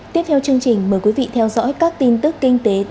tiếp theo chương trình mời quý vị theo dõi các tin tức kinh tế